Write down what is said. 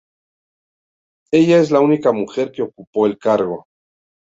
Ella es la única mujer que ocupó el cargo.